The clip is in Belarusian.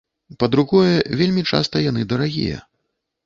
Па-другое, вельмі часта яны дарагія.